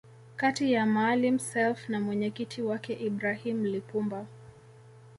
kati ya Maalim Self na mwenyekiti wake Ibrahim Lipumba